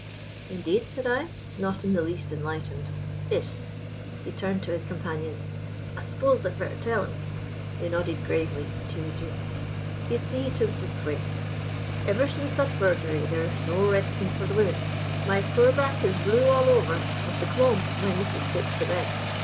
"'Indeed?' said I, not in the least enlightened. "'Iss;' he turned to his companions. 'I s'pose I'd better tell en?' They nodded gravely, and he resumed. 'You see, 'tis this way: ever since that burglary there's no resting for the women. My poor back is blue all over with the cloam my missus takes to bed.